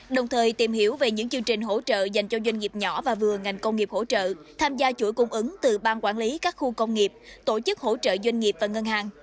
đồng thời tìm hiểu về những chương trình hỗ trợ dành cho doanh nghiệp nhỏ và vừa ngành công nghiệp hỗ trợ tham gia chuỗi cung ứng từ ban quản lý các khu công nghiệp tổ chức hỗ trợ doanh nghiệp và ngân hàng